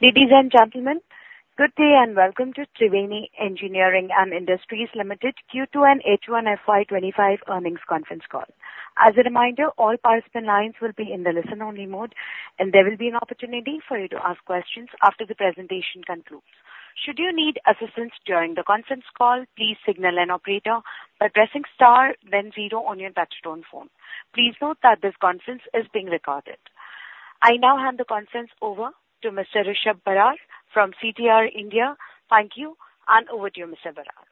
Ladies and gentlemen, good day and welcome to Triveni Engineering & Industries Limited Q2 and H1FY25 earnings conference call. As a reminder, all participant lines will be in the listen-only mode, and there will be an opportunity for you to ask questions after the presentation concludes. Should you need assistance during the conference call, please signal an operator by pressing star then zero on your touch-tone phone. Please note that this conference is being recorded. I now hand the conference over to Mr. Rishabh Barar from CDR India. Thank you, and over to you, Mr. Barar.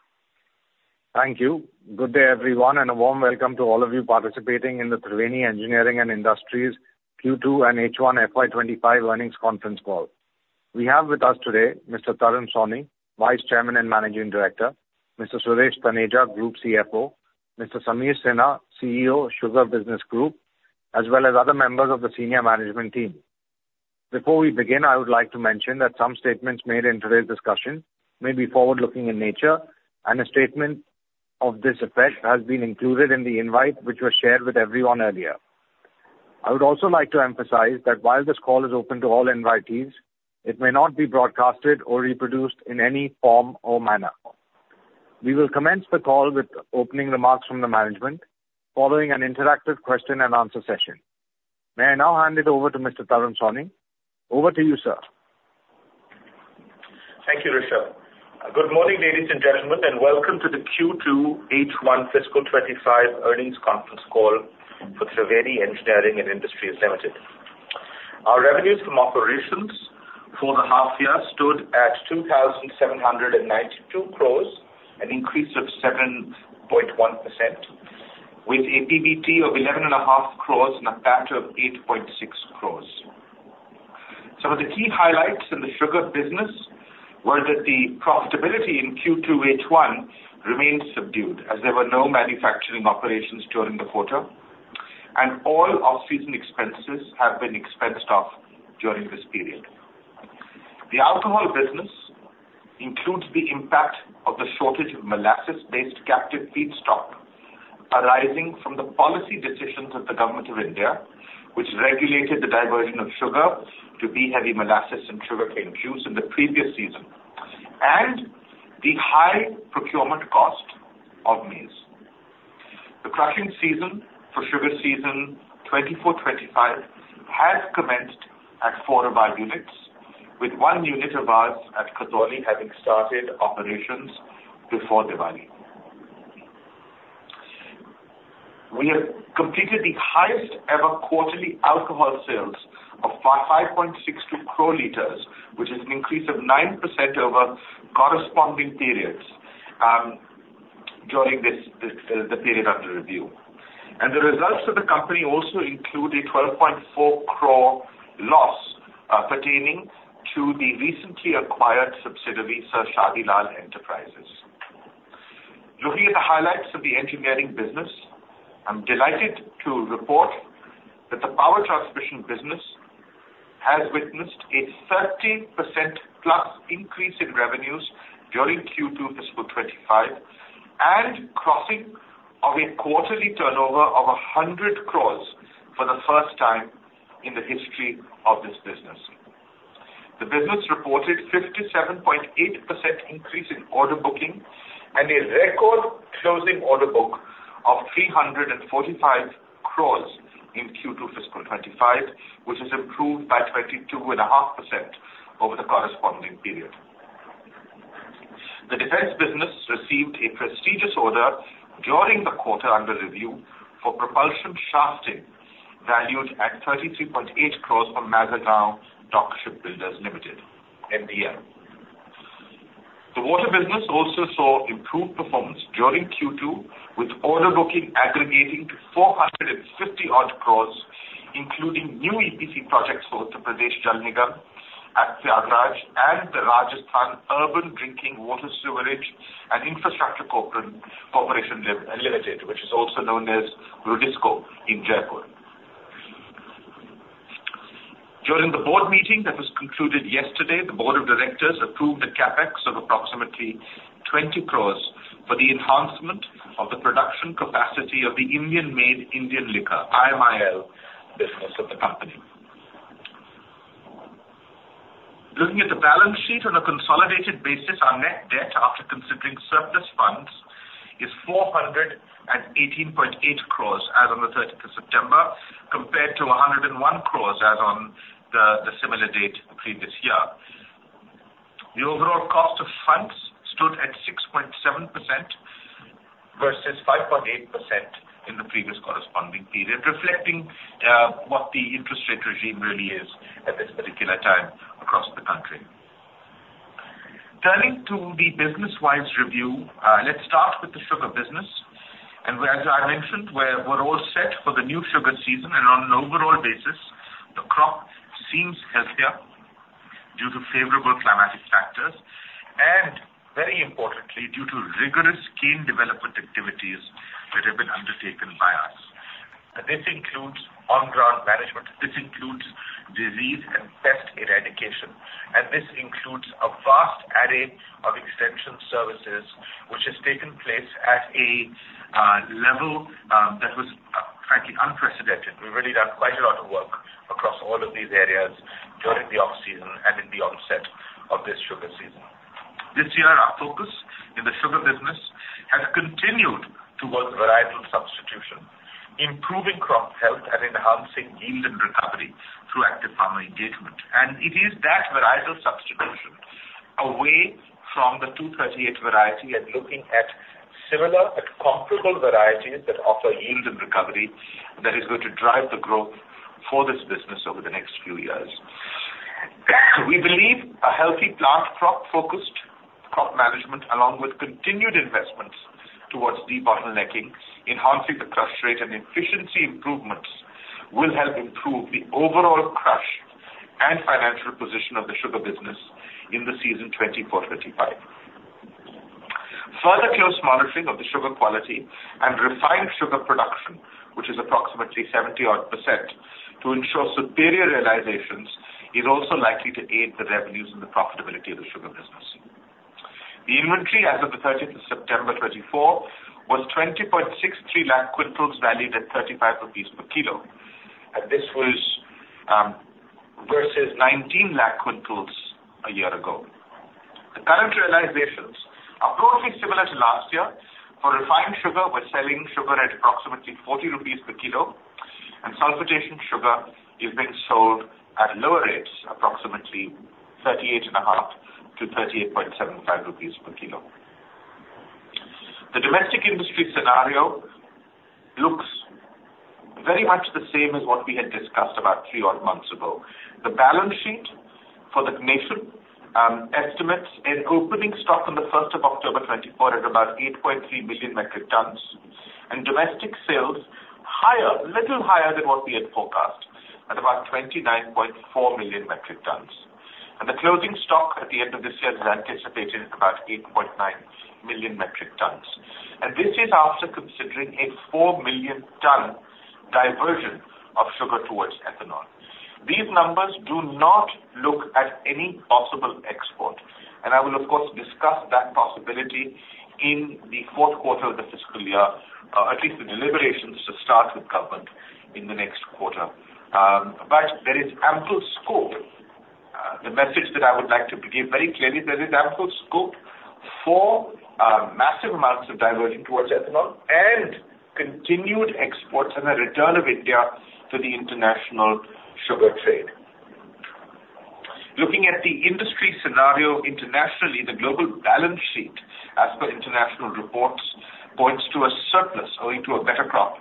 Thank you. Good day, everyone, and a warm welcome to all of you participating in the Triveni Engineering & Industries Q2 and H1FY25 earnings conference call. We have with us today Mr. Tarun Sawhney, Vice Chairman and Managing Director, Mr. Suresh Taneja, Group CFO, Mr. Sameer Sinha, CEO, Sugar Business Group, as well as other members of the senior management team. Before we begin, I would like to mention that some statements made in today's discussion may be forward-looking in nature, and a statement of this effect has been included in the invite which was shared with everyone earlier. I would also like to emphasize that while this call is open to all invitees, it may not be broadcasted or reproduced in any form or manner. We will commence the call with opening remarks from the management, following an interactive question-and-answer session. May I now hand it over to Mr. Tarun Sawhney? Over to you, sir. Thank you, Rishabh. Good morning, ladies and gentlemen, and welcome to the Q2 H1 Fiscal 25 earnings conference call for Triveni Engineering & Industries Limited. Our revenues from operations for the half-year stood at 2,792 crores, an increase of 7.1%, with a PBT of 11.5 crores and a PAT of 8.6 crores. Some of the key highlights in the sugar business were that the profitability in Q2 H1 remained subdued, as there were no manufacturing operations during the quarter, and all off-season expenses have been expensed off during this period. The alcohol business includes the impact of the shortage of molasses-based captive feedstock arising from the policy decisions of the Government of India, which regulated the diversion of sugar to B-heavy molasses and sugarcane juice in the previous season, and the high procurement cost of maize. The crushing season for sugar season 24/25 has commenced at four of our units, with one unit of ours at Khatauli having started operations before Diwali. We have completed the highest-ever quarterly alcohol sales of 5.62 crore liters, which is an increase of 9% over corresponding periods during the period under review. And the results of the company also include a 12.4 crore loss pertaining to the recently acquired subsidiary, Sir Shadi Lal Enterprises. Looking at the highlights of the engineering business, I'm delighted to report that the power transmission business has witnessed a 30%-plus increase in revenues during Q2 Fiscal 25 and crossing of a quarterly turnover of 100 crores for the first time in the history of this business. The business reported a 57.8% increase in order booking and a record closing order book of 345 crores in Q2 Fiscal 25, which has improved by 22.5% over the corresponding period. The defense business received a prestigious order during the quarter under review for propulsion shafting valued at 33.8 crores from Mazagon Dock Shipbuilders Limited, MDL. The water business also saw improved performance during Q2, with order booking aggregating to 450-odd crores, including new EPC projects for Uttar Pradesh Jal Nigam, Prayagraj, and the Rajasthan Urban Drinking Water Sewerage and Infrastructure Corporation Limited, which is also known as RUDSICO in Jaipur. During the board meeting that was concluded yesterday, the board of directors approved a CapEx of approximately 20 crores for the enhancement of the production capacity of the Indian-made Indian liquor, IMIL, business of the company. Looking at the balance sheet on a consolidated basis, our net debt, after considering surplus funds, is 418.8 crores as on the 30th of September, compared to 101 crores as on the similar date the previous year. The overall cost of funds stood at 6.7% versus 5.8% in the previous corresponding period, reflecting what the interest rate regime really is at this particular time across the country. Turning to the business-wise review, let's start with the sugar business, and as I mentioned, we're all set for the new sugar season, and on an overall basis, the crop seems healthier due to favorable climatic factors and, very importantly, due to rigorous cane development activities that have been undertaken by us. This includes on-ground management. This includes disease and pest eradication, and this includes a vast array of extension services, which has taken place at a level that was, frankly, unprecedented. We've really done quite a lot of work across all of these areas during the off-season and in the onset of this sugar season. This year, our focus in the sugar business has continued towards varietal substitution, improving crop health and enhancing yield and recovery through active farmer engagement, and it is that varietal substitution, away from the 238 variety and looking at similar but comparable varieties that offer yield and recovery, that is going to drive the growth for this business over the next few years. We believe a healthy plant crop-focused crop management, along with continued investments towards debottlenecking, enhancing the crush rate, and efficiency improvements will help improve the overall crush and financial position of the sugar business in the season 2024/25. Further close monitoring of the sugar quality and refined sugar production, which is approximately 70-odd%, to ensure superior realizations is also likely to aid the revenues and the profitability of the sugar business. The inventory as of the 30th of September 2024 was 20.63 lakh quintals valued at 35 rupees per kilo, and this was versus 19 lakh quintals a year ago. The current realizations are broadly similar to last year. For refined sugar, we're selling sugar at approximately 40 rupees per kilo, and sulfItation sugar is being sold at lower rates, approximately 38.5-38.75 rupees per kilo. The domestic industry scenario looks very much the same as what we had discussed about three odd months ago. The balance sheet for the nation estimates an opening stock on the 1st of October 2024 at about 8.3 million metric tons, and domestic sales higher, a little higher than what we had forecast, at about 29.4 million metric tons, and the closing stock at the end of this year is anticipated at about 8.9 million metric tons, and this is after considering a 4 million-ton diversion of sugar towards ethanol. These numbers do not look at any possible export, and I will, of course, discuss that possibility in the fourth quarter of the fiscal year, at least the deliberations to start with government in the next quarter, but there is ample scope. The message that I would like to give very clearly is there is ample scope for massive amounts of diversion towards ethanol and continued exports and a return of India to the international sugar trade. Looking at the industry scenario internationally, the global balance sheet, as per international reports, points to a surplus owing to a better crop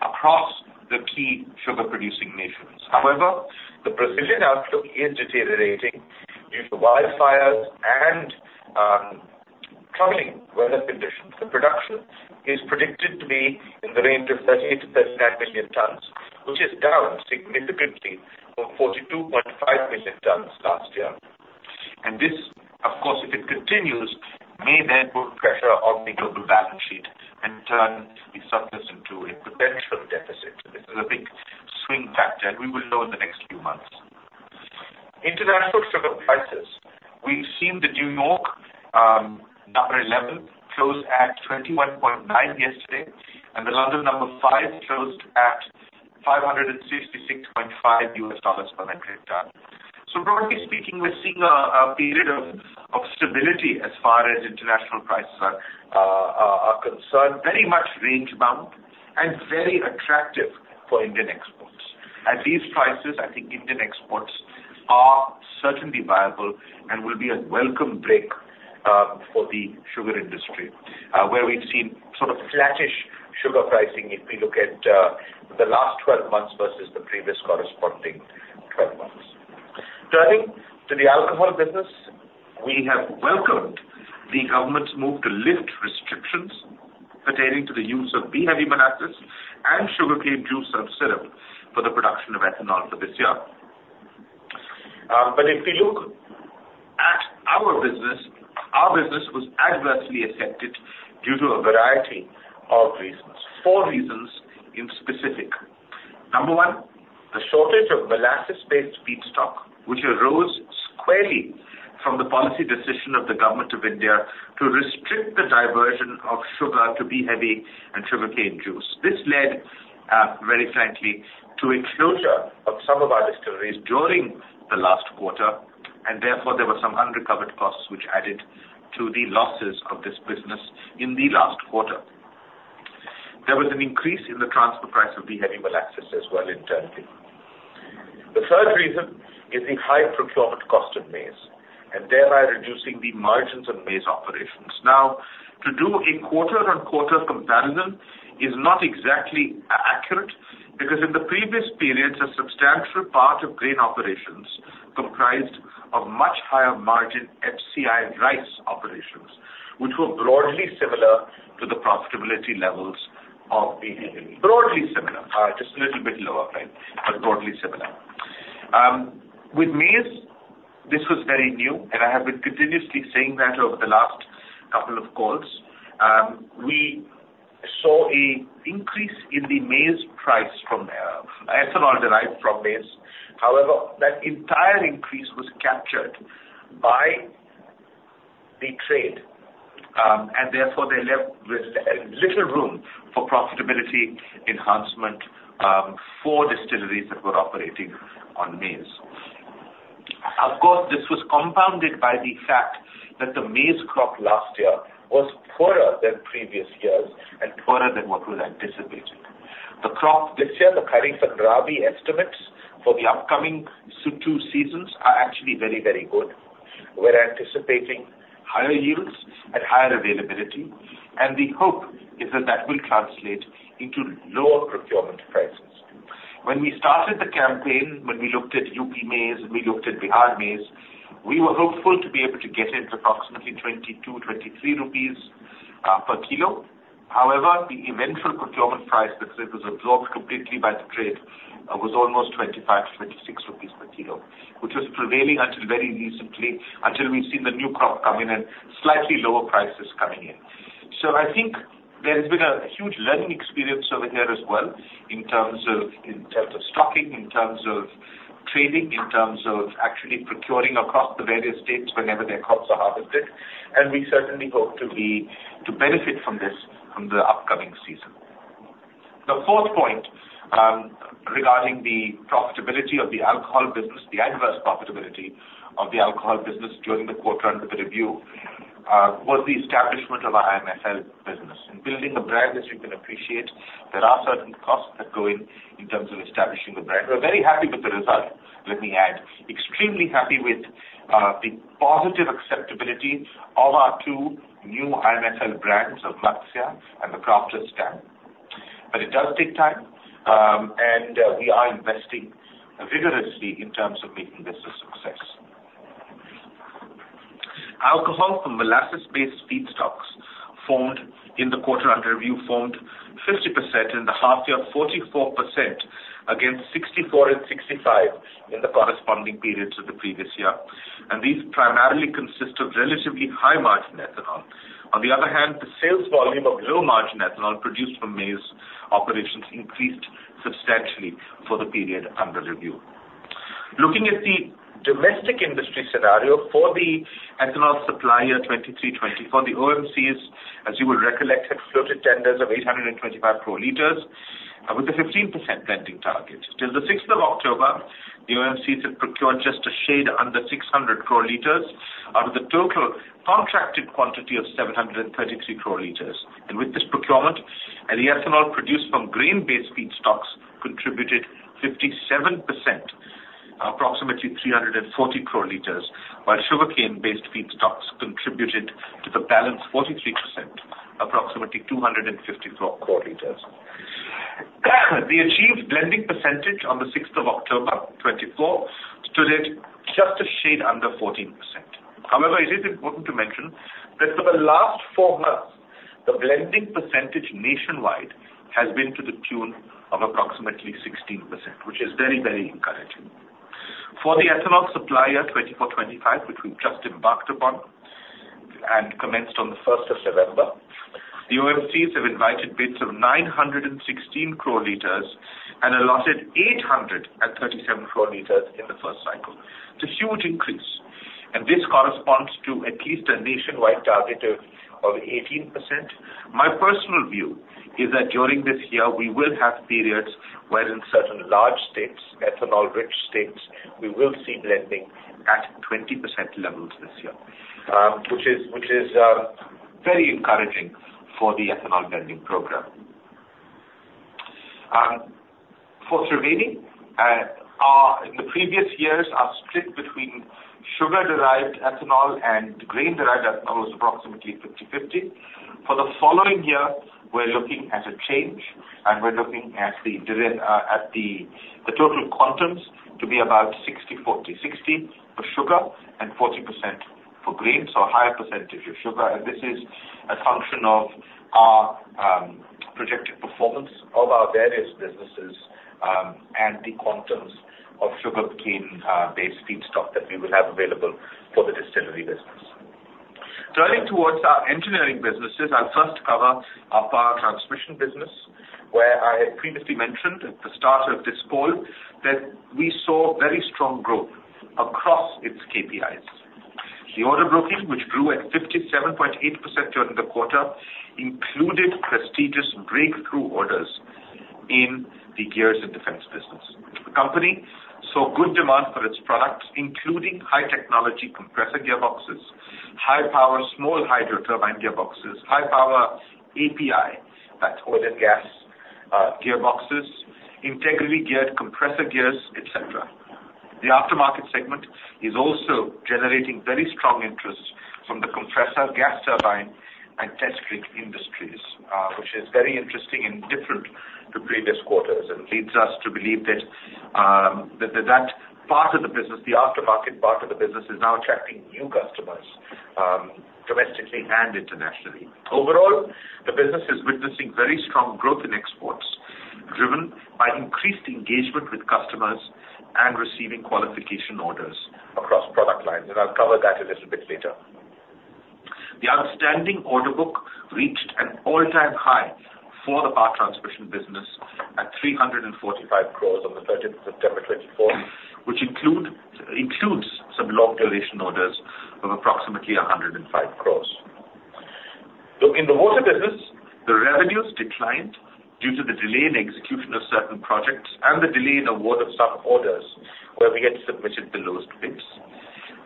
across the key sugar-producing nations. However, the Brazilian outlook is deteriorating due to wildfires and troubling weather conditions. The production is predicted to be in the range of 38-39 million tons, which is down significantly from 42.5 million tons last year, and this, of course, if it continues, may then put pressure on the global balance sheet and turn the surplus into a potential deficit. This is a big swing factor, and we will know in the next few months. International sugar prices, we've seen the New York No. 11 close at 21.9 yesterday, and the London No. 5 closed at $566.5 per metric ton. So broadly speaking, we're seeing a period of stability as far as international prices are concerned, very much range-bound and very attractive for Indian exports. At these prices, I think Indian exports are certainly viable and will be a welcome break for the sugar industry, where we've seen sort of flattish sugar pricing if we look at the last 12 months versus the previous corresponding 12 months. Turning to the alcohol business, we have welcomed the government's move to lift restrictions pertaining to the use of B-heavy molasses and sugarcane juice and syrup for the production of ethanol for this year. But if we look at our business, our business was adversely affected due to a variety of reasons. Four reasons in specific. Number one, the shortage of molasses-based feedstock, which arose squarely from the policy decision of the Government of India to restrict the diversion of sugar to B-heavy and sugarcane juice. This led, very frankly, to a closure of some of our distilleries during the last quarter, and therefore there were some unrecovered costs which added to the losses of this business in the last quarter. There was an increase in the transfer price of B-heavy molasses as well in uncertain. The third reason is the high procurement cost of maize and thereby reducing the margins of maize operations. Now, to do a quarter-on-quarter comparison is not exactly accurate because in the previous periods, a substantial part of grain operations comprised of much higher-margin FCI rice operations, which were broadly similar to the profitability levels of B-heavy. Broadly similar, just a little bit lower, right? But broadly similar. With maize, this was very new, and I have been continuously saying that over the last couple of calls. We saw an increase in the maize price from ethanol derived from maize. However, that entire increase was captured by the trade, and therefore there was little room for profitability enhancement for distilleries that were operating on maize. Of course, this was compounded by the fact that the maize crop last year was poorer than previous years and poorer than what was anticipated. The crop this year, the kharif and rabi estimates for the upcoming two seasons are actually very, very good. We're anticipating higher yields and higher availability, and the hope is that that will translate into lower procurement prices. When we started the campaign, when we looked at UP maize and we looked at Bihar maize, we were hopeful to be able to get it at approximately 22-23 rupees per kilo. However, the eventual procurement price, because it was absorbed completely by the trade, was almost 25-26 rupees per kilo, which was prevailing until very recently, until we've seen the new crop coming and slightly lower prices coming in. So I think there's been a huge learning experience over here as well in terms of stocking, in terms of trading, in terms of actually procuring across the various states whenever their crops are harvested. And we certainly hope to benefit from this from the upcoming season. The fourth point regarding the profitability of the alcohol business, the adverse profitability of the alcohol business during the quarter under the review, was the establishment of our IMFL business. In building a brand, as you can appreciate, there are certain costs that go in terms of establishing a brand. We're very happy with the result, let me add. Extremely happy with the positive acceptability of our two new IMFL brands of Matsya and the Crafter's Stamp. But it does take time, and we are investing vigorously in terms of making this a success. Alcohol from molasses-based feedstocks formed in the quarter under review formed 50% in the half year, 44% against 64% and 65% in the corresponding periods of the previous year. And these primarily consist of relatively high-margin ethanol. On the other hand, the sales volume of low-margin ethanol produced from maize operations increased substantially for the period under review. Looking at the domestic industry scenario for the ethanol supply 23-24, the OMCs, as you will recollect, had floated tenders of 825 crore liters with a 15% blending target. Until the 6th of October, the OMCs had procured just a shade under 600 crore liters out of the total contracted quantity of 733 crore liters. With this procurement, the ethanol produced from grain-based feedstocks contributed 57%, approximately 340 crore liters, while sugarcane-based feedstocks contributed to the balance 43%, approximately 254 crore liters. The achieved blending percentage on the 6th of October 2024 stood at just a shade under 14%. However, it is important to mention that for the last four months, the blending percentage nationwide has been to the tune of approximately 16%, which is very, very encouraging. For the ethanol supply year 24-25, which we've just embarked upon and commenced on the 1st of November, the OMCs have invited bids of 916 crore liters and allotted 837 crore liters in the first cycle. It's a huge increase, and this corresponds to at least a nationwide target of 18%. My personal view is that during this year, we will have periods where in certain large states, ethanol-rich states, we will see blending at 20% levels this year, which is very encouraging for the ethanol blending program. For Triveni, in the previous years, our split between sugar-derived ethanol and grain-derived ethanol was approximately 50/50. For the following year, we're looking at a change, and we're looking at the total quantums to be about 60/40, 60 for sugar and 40% for grain, so a higher percentage of sugar. This is a function of our projected performance of our various businesses and the quantums of sugarcane-based feed stock that we will have available for the distillery business. Turning towards our engineering businesses, I'll first cover our power transmission business, where I had previously mentioned at the start of this call that we saw very strong growth across its KPIs. The order booking, which grew at 57.8% during the quarter, included prestigious breakthrough orders in the gears and defense business. The company saw good demand for its products, including high-technology compressor gearboxes, high-power small hydroturbine gearboxes, high-power API, that's oil and gas gearboxes, integrally-geared compressor gears, etc. The aftermarket segment is also generating very strong interest from the compressor gas turbine and test rig industries, which is very interesting and different to previous quarters and leads us to believe that that part of the business, the aftermarket part of the business, is now attracting new customers domestically and internationally. Overall, the business is witnessing very strong growth in exports driven by increased engagement with customers and receiving qualification orders across product lines, and I'll cover that a little bit later. The outstanding order book reached an all-time high for the power transmission business at 345 crores on the 30th of September 2024, which includes some long-duration orders of approximately 105 crores. In the water business, the revenues declined due to the delay in execution of certain projects and the delay in award of some orders where we had submitted the lowest bids.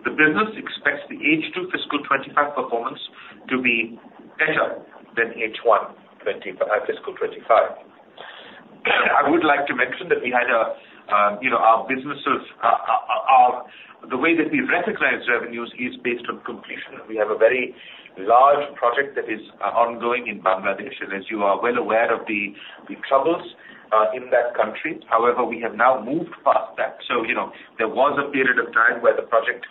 The business expects the H2 fiscal 25 performance to be better than H1 fiscal 25. I would like to mention that we had our businesses the way that we recognize revenues is based on completion. We have a very large project that is ongoing in Bangladesh, and as you are well aware of the troubles in that country. However, we have now moved past that. So there was a period of time where the project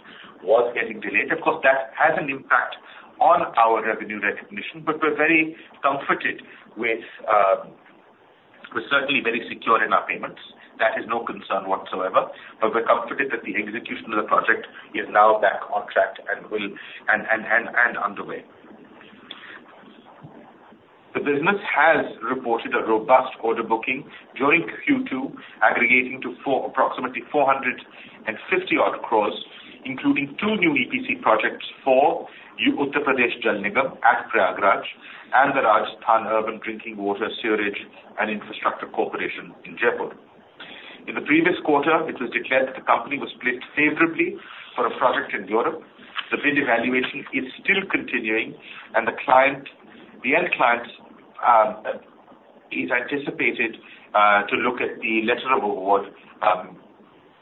was getting delayed. Of course, that has an impact on our revenue recognition, but we're very comforted. We're certainly very secure in our payments. That is no concern whatsoever, but we're comforted that the execution of the project is now back on track and underway. The business has reported a robust order booking during Q2, aggregating to approximately 450-odd crores, including two new EPC projects for Uttar Pradesh Jal Nigam at Prayagraj and the Rajasthan Urban Drinking Water Sewerage and Infrastructure Corporation in Jaipur. In the previous quarter, it was declared that the company was placed favorably for a project in Europe. The bid evaluation is still continuing, and the end client is anticipated to look at the letter of award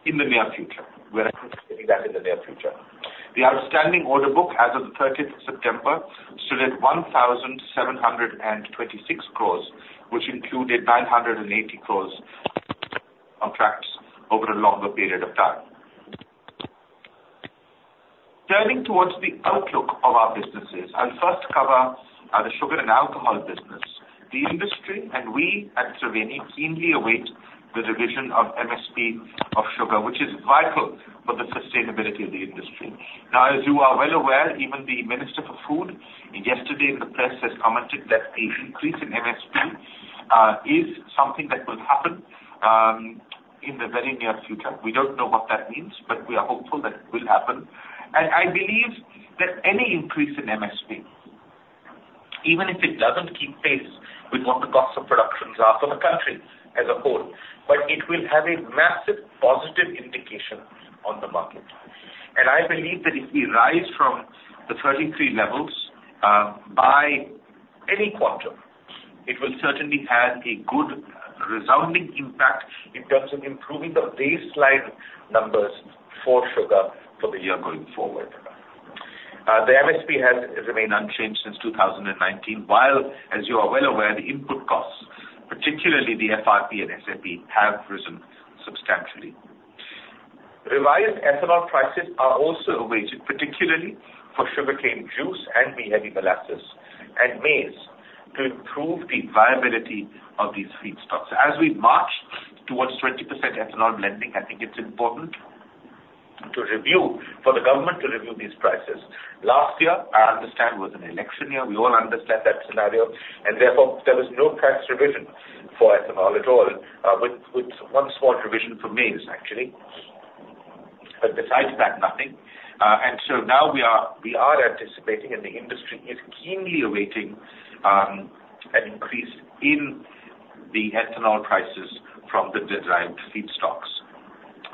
in the near future. We're anticipating that in the near future. The outstanding order book as of the 30th of September stood at 1,726 crores, which included 980 crores contracts over a longer period of time. Turning towards the outlook of our businesses, I'll first cover the sugar and alcohol business. The industry and we at Triveni keenly await the revision of MSP of sugar, which is vital for the sustainability of the industry. Now, as you are well aware, even the Minister for Food yesterday in the press has commented that the increase in MSP is something that will happen in the very near future. We don't know what that means, but we are hopeful that it will happen. I believe that any increase in MSP, even if it doesn't keep pace with what the costs of production are for the country as a whole, but it will have a massive positive impact on the market. I believe that if we rise from the 33 levels by any quantum, it will certainly have a good resounding impact in terms of improving the baseline numbers for sugar for the year going forward. The MSP has remained unchanged since 2019, while, as you are well aware, the input costs, particularly the FRP and SAP, have risen substantially. Revised ethanol prices are also awaited, particularly for sugarcane juice and B-heavy molasses and maize, to improve the viability of these feedstocks. As we march towards 20% ethanol blending, I think it's important for the government to review these prices. Last year, I understand, was an election year. We all understand that scenario, and therefore there was no price revision for ethanol at all, with one small revision for maize, actually. But besides that, nothing. And so now we are anticipating, and the industry is keenly awaiting an increase in the ethanol prices from the derived feedstocks.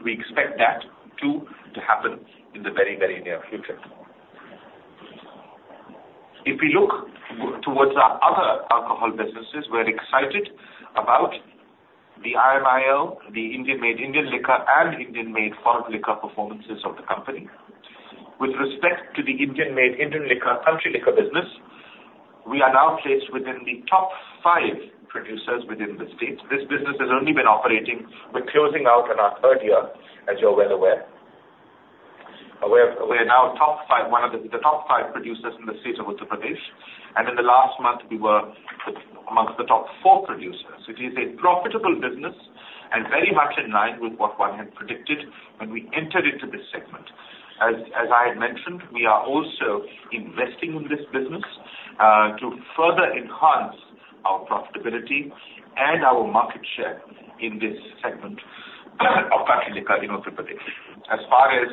We expect that too to happen in the very, very near future. If we look towards our other alcohol businesses, we're excited about the IMIL, the Indian-Made Indian Liquor, and Indian-Made Foreign Liquor performances of the company. With respect to the Indian-made Indian liquor, country liquor business, we are now placed within the top five producers within the states. This business has only been operating. We're closing out on our third year, as you're well aware. We're now top five, one of the top five producers in the state of Uttar Pradesh, and in the last month, we were among the top four producers. It is a profitable business and very much in line with what one had predicted when we entered into this segment. As I had mentioned, we are also investing in this business to further enhance our profitability and our market share in this segment of country liquor in Uttar Pradesh. As far as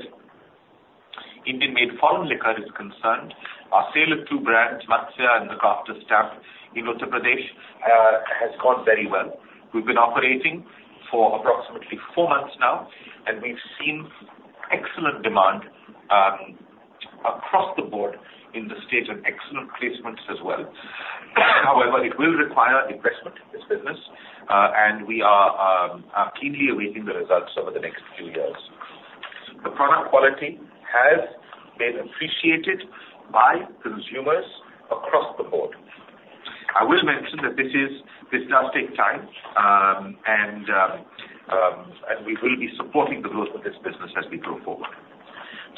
Indian-made foreign liquor is concerned, our sale of two brands, Matsya and The Crafter's Stamp, in Uttar Pradesh, has gone very well. We've been operating for approximately four months now, and we've seen excellent demand across the board in the state and excellent placements as well. However, it will require investment in this business, and we are keenly awaiting the results over the next few years. The product quality has been appreciated by consumers across the board. I will mention that this does take time, and we will be supporting the growth of this business as we go forward.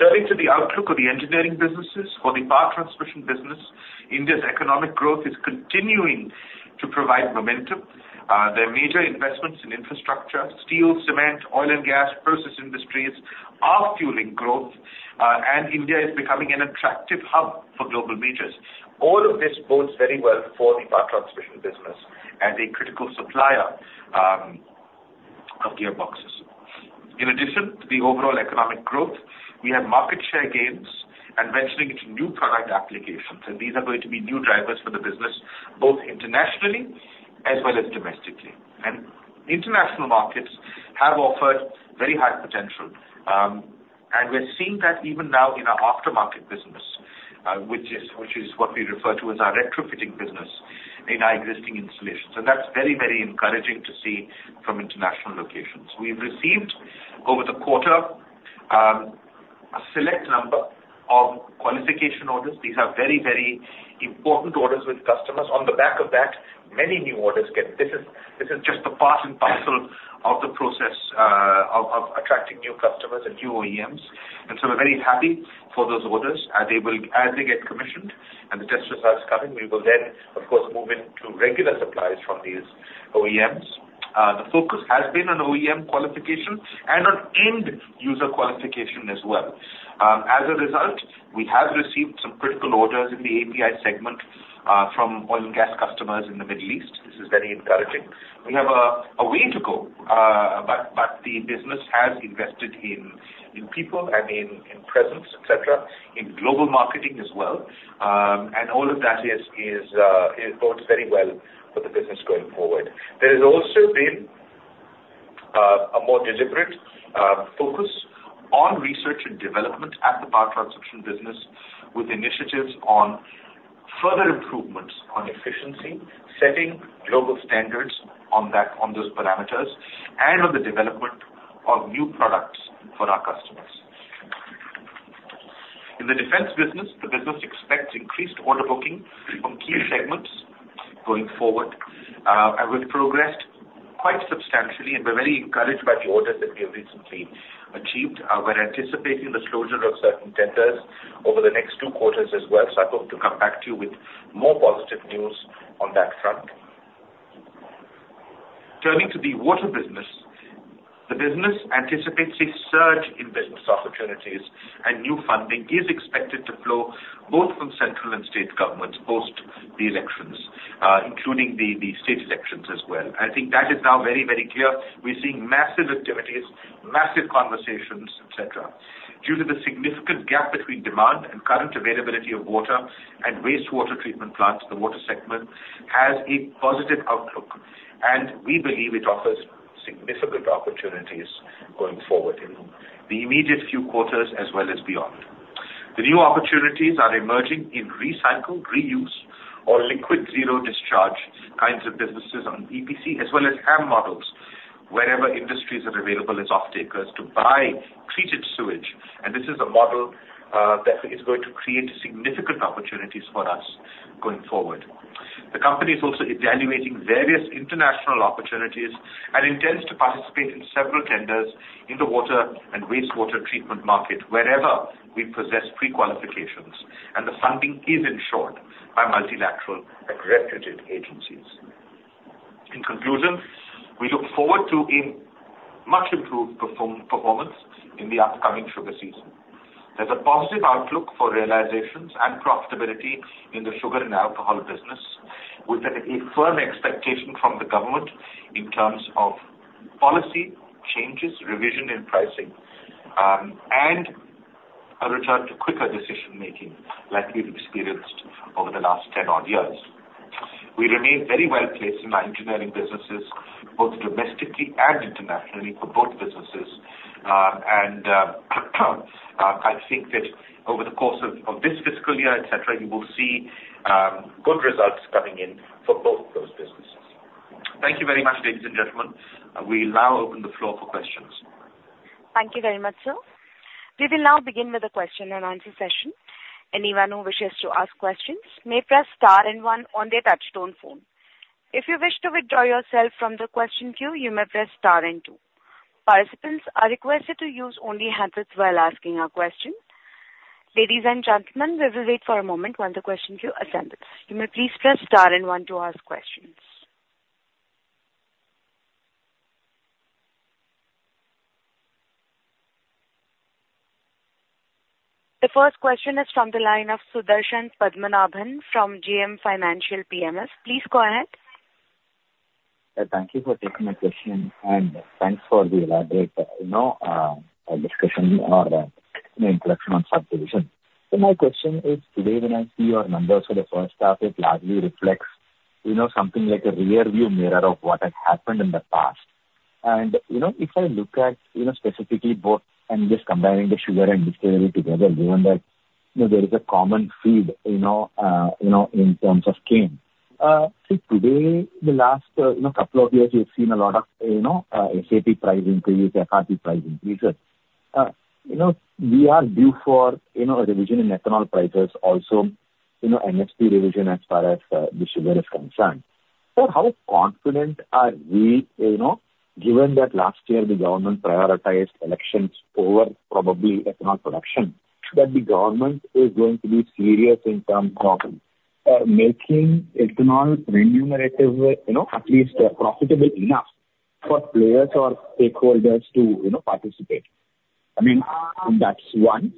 Turning to the outlook of the engineering businesses, for the power transmission business, India's economic growth is continuing to provide momentum. Their major investments in infrastructure, steel, cement, oil and gas, process industries are fueling growth, and India is becoming an attractive hub for global majors. All of this bodes very well for the power transmission business as a critical supplier of gearboxes. In addition to the overall economic growth, we have market share gains and venturing into new product applications, and these are going to be new drivers for the business, both internationally as well as domestically, and international markets have offered very high potential, and we're seeing that even now in our aftermarket business, which is what we refer to as our retrofitting business in our existing installations, and that's very, very encouraging to see from international locations. We've received over the quarter a select number of qualification orders. These are very, very important orders with customers. On the back of that, many new orders get. This is just the part and parcel of the process of attracting new customers and new OEMs, and so we're very happy for those orders as they get commissioned and the test results coming. We will then, of course, move into regular supplies from these OEMs. The focus has been on OEM qualification and on end-user qualification as well. As a result, we have received some critical orders in the API segment from oil and gas customers in the Middle East. This is very encouraging. We have a way to go, but the business has invested in people and in presence, etc., in global marketing as well. And all of that bodes very well for the business going forward. There has also been a more deliberate focus on research and development at the power transmission business, with initiatives on further improvements on efficiency, setting global standards on those parameters, and on the development of new products for our customers. In the defense business, the business expects increased order booking from key segments going forward. We've progressed quite substantially, and we're very encouraged by the orders that we have recently achieved. We're anticipating the closure of certain tenders over the next two quarters as well. So I hope to come back to you with more positive news on that front. Turning to the water business, the business anticipates a surge in business opportunities, and new funding is expected to flow both from central and state governments post the elections, including the state elections as well. I think that is now very, very clear. We're seeing massive activities, massive conversations, etc. Due to the significant gap between demand and current availability of water and wastewater treatment plants, the water segment has a positive outlook, and we believe it offers significant opportunities going forward in the immediate few quarters as well as beyond. The new opportunities are emerging in recycle, reuse, or liquid zero discharge kinds of businesses on EPC, as well as HAM models, wherever industries are available as off-takers to buy treated sewage. And this is a model that is going to create significant opportunities for us going forward. The company is also evaluating various international opportunities and intends to participate in several tenders in the water and wastewater treatment market wherever we possess pre-qualifications, and the funding is ensured by multilateral and reputed agencies. In conclusion, we look forward to a much-improved performance in the upcoming sugar season. There's a positive outlook for realizations and profitability in the sugar and alcohol business, with a firm expectation from the government in terms of policy changes, revision in pricing, and a return to quicker decision-making like we've experienced over the last 10-odd years. We remain very well placed in our engineering businesses, both domestically and internationally for both businesses. And I think that over the course of this fiscal year, etc., you will see good results coming in for both those businesses. Thank you very much, ladies and gentlemen. We now open the floor for questions. Thank you very much, sir. We will now begin with a question-and-answer session. Anyone who wishes to ask questions may press star and one on their touch-tone phone. If you wish to withdraw yourself from the question queue, you may press star and two. Participants are requested to use only the handset while asking a question. Ladies and gentlemen, we will wait for a moment while the question queue assembles. You may please press star and one to ask questions. The first question is from the line of Sudarshan Padmanabhan from JM Financial PMS. Please go ahead. Thank you for taking my question, and thanks for the elaborate discussion or introduction on sugar division. So my question is, today when I see your numbers, so the first half largely reflects something like a rearview mirror of what had happened in the past. And if I look at specifically both, and just combining the sugar and distillery together, given that there is a common feed in terms of cane, today, the last couple of years, we've seen a lot of SAP price increases, FRP price increases. We are due for a revision in ethanol prices, also MSP revision as far as the sugar is concerned. But how confident are we, given that last year the government prioritized elections over probably ethanol production, that the government is going to be serious in terms of making ethanol remunerative, at least profitable enough for players or stakeholders to participate? I mean, that's one.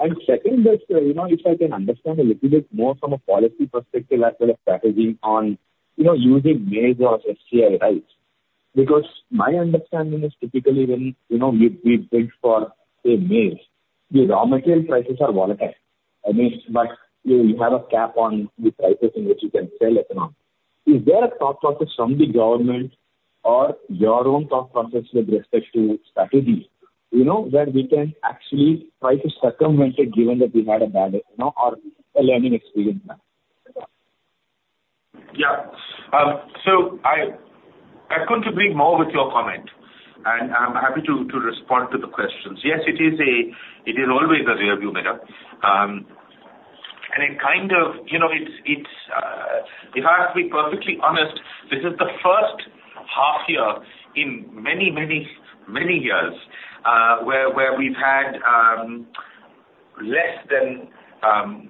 And second, if I can understand a little bit more from a policy perspective as well as strategy on using maize or FCI rice, because my understanding is typically when we bridge for, say, maize, the raw material prices are volatile. I mean, but you have a cap on the prices in which you can sell ethanol. Is there a thought process from the government or your own thought process with respect to strategy that we can actually try to circumvent it, given that we had a bad or a learning experience now? Yeah. So I couldn't agree more with your comment, and I'm happy to respond to the questions. Yes, it is always a rearview mirror. And it kind of, it's if I have to be perfectly honest, this is the first half year in many, many, many years where we've had less than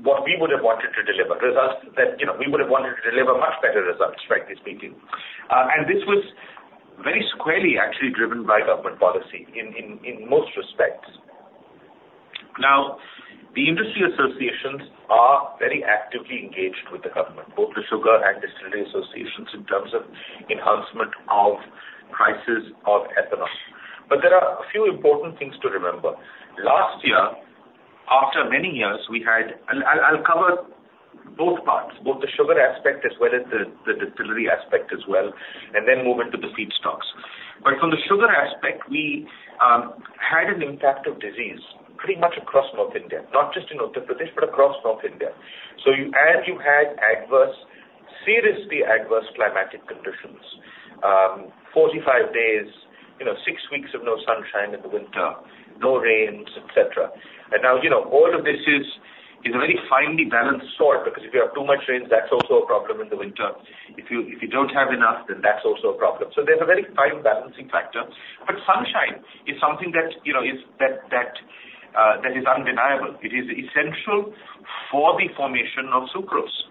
what we would have wanted to deliver results that we would have wanted to deliver much better results, frankly speaking. And this was very squarely actually driven by government policy in most respects. Now, the industry associations are very actively engaged with the government, both the sugar and distillery associations in terms of enhancement of prices of ethanol. But there are a few important things to remember. Last year, after many years, we had. I'll cover both parts, both the sugar aspect as well as the distillery aspect as well, and then move into the feed stocks. But from the sugar aspect, we had an impact of disease pretty much across North India, not just in Uttar Pradesh, but across North India. So, as you had adverse, seriously adverse climatic conditions, 45 days, six weeks of no sunshine in the winter, no rains, etc., and now all of this is a very finely balanced sort because if you have too much rain, that's also a problem in the winter, if you don't have enough, then that's also a problem, so there's a very fine balancing factor, but sunshine is something that is undeniable, it is essential for the formation of sucrose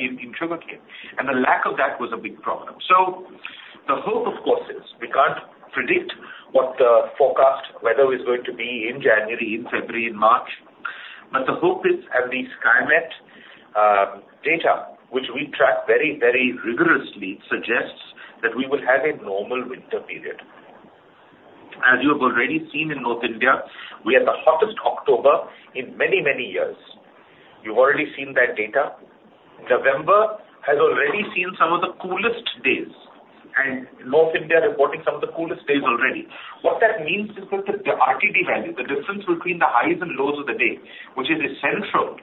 in sugar cane, and the lack of that was a big problem, so the hope, of course, is we can't predict what the forecast weather is going to be in January, in February, in March, but the hope is, at least climate data, which we track very, very rigorously, suggests that we will have a normal winter period. As you have already seen in North India, we had the hottest October in many, many years. You've already seen that data. November has already seen some of the coolest days, and North India is reporting some of the coolest days already. What that means is that the DTR value, the difference between the highs and lows of the day, which is essential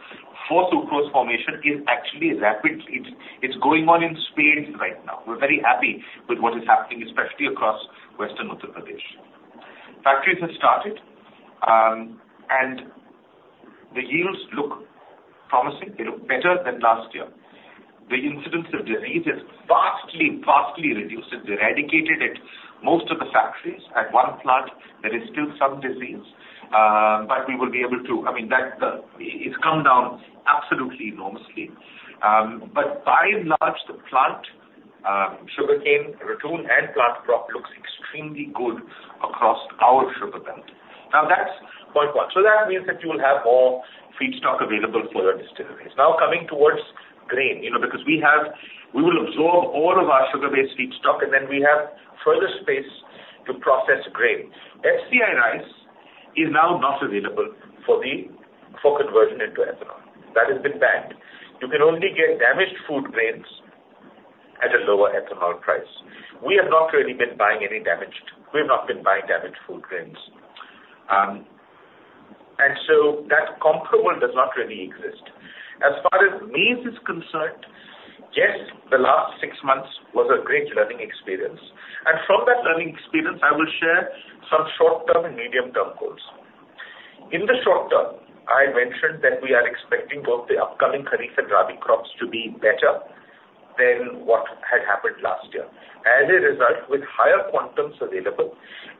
for sucrose formation, is actually rapid. It's going on in spades right now. We're very happy with what is happening, especially across Western Uttar Pradesh. Factories have started, and the yields look promising. They look better than last year. The incidence of disease has vastly, vastly reduced. It's eradicated at most of the factories. At one plant, there is still some disease, but we will be able to. I mean, it's come down absolutely enormously. But by and large, the plant, sugarcane, ratoon, and plant crop looks extremely good across our sugar belt. Now, that's point one. So that means that you will have more feedstock available for your distilleries. Now, coming towards grain, because we will absorb all of our sugar-based feedstock, and then we have further space to process grain. FCI rice is now not available for conversion into ethanol. That has been banned. You can only get damaged food grains at a lower ethanol price. We have not really been buying any damaged food grains. And so that comparable does not really exist. As far as maize is concerned, yes, the last six months was a great learning experience. And from that learning experience, I will share some short-term and medium-term goals. In the short term, I mentioned that we are expecting both the upcoming Kharif and Rabi crops to be better than what had happened last year. As a result, with higher quantums available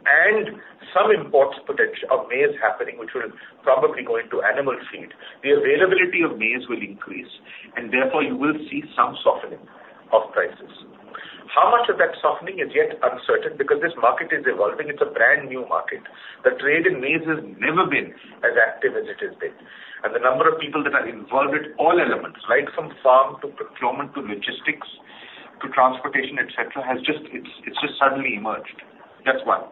and some imports of maize happening, which will probably go into animal feed, the availability of maize will increase, and therefore you will see some softening of prices. How much of that softening is yet uncertain because this market is evolving. It's a brand new market. The trade in maize has never been as active as it has been. And the number of people that are involved with all elements, right from farm to procurement to logistics to transportation, etc., has just suddenly emerged. That's one.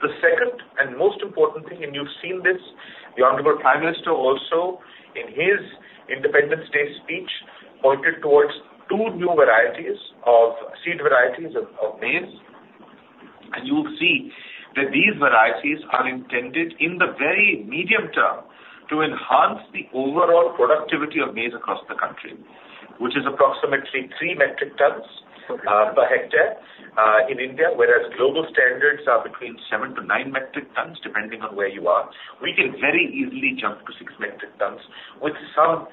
The second and most important thing, and you've seen this, the Honorable Prime Minister also, in his independent state speech, pointed towards two new varieties of seed varieties of maize. You will see that these varieties are intended in the very medium term to enhance the overall productivity of maize across the country, which is approximately three metric tons per hectare in India, whereas global standards are between seven to nine metric tons, depending on where you are. We can very easily jump to six metric tons with some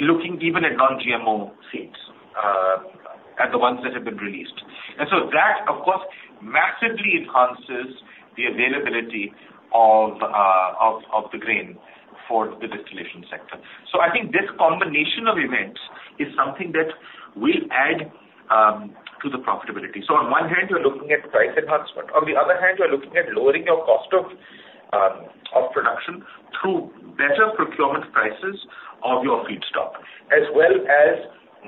looking even at non-GMO seeds and the ones that have been released. That, of course, massively enhances the availability of the grain for the distillation sector. This combination of events is something that will add to the profitability. On one hand, you are looking at price enhancement. On the other hand, you are looking at lowering your cost of production through better procurement prices of your feedstock, as well as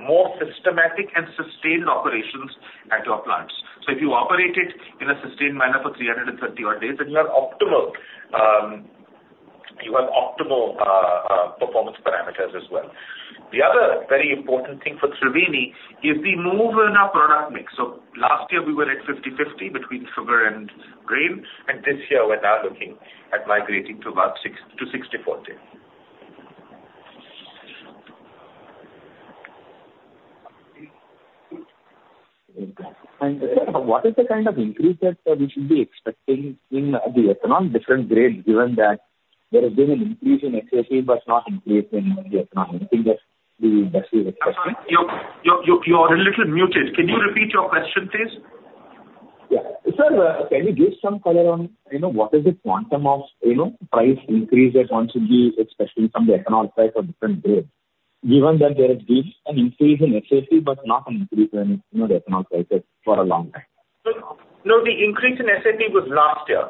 more systematic and sustained operations at your plants. So if you operate it in a sustained manner for 330-odd days, then you have optimal performance parameters as well. The other very important thing for Triveni is the move in our product mix. So last year, we were at 50/50 between sugar and grain, and this year, we're now looking at migrating to about 60/40. And what is the kind of increase that we should be expecting in the ethanol different grade, given that there has been an increase in SAP, but not increase in the ethanol? I think that's the best we've expected. You're a little muted. Can you repeat your question, please? Yeah. Sir, can you give some color on what is the quantum of price increase that wants to be expected from the ethanol price of different grades, given that there has been an increase in SAP, but not an increase in the ethanol prices for a long time? No, the increase in SAP was last year.